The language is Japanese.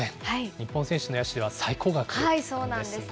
日本選手の野手では最高額なんですね。